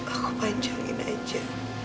aku panjangin aja